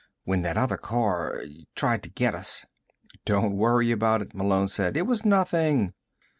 When that other car tried to get us." "Don't worry about it," Malone said. "It was nothing."